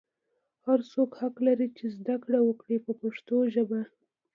هر څوک حق لري چې زده کړه وکړي په پښتو ژبه.